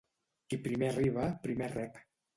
Qui primer arriba, primer rep.